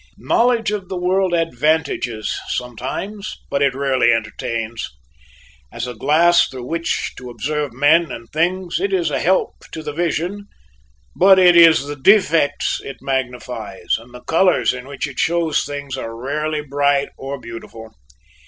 Knowledge of the world advantages sometimes, but it rarely entertains. As a glass through which to observe men and things, it is a help to the vision, but it is the defects it magnifies, and the colors in which it shows things are rarely bright or beautiful.